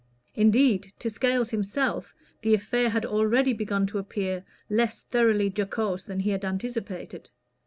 Indeed, to Scales himself the affair had already begun to appear less thoroughly jocose than he had anticipated.